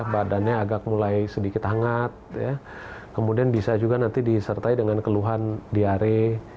badannya agak mulai sedikit hangat kemudian bisa juga nanti disertai dengan keluhan diare